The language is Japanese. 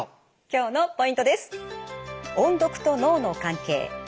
今日のポイントです。